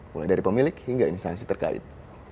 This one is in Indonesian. mulai dari pemilik hingga instansi terkait